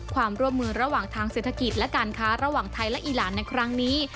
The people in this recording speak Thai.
ความร่วมมือระหว่างทางเศรษฐกิจและการค้าระหว่างไทยและอีหลานในครั้งนี้